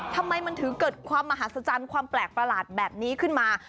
ทำไมมันถึงเกิดความมหัศจรรย์ความแปลกประหลาดแบบนี้ขึ้นมา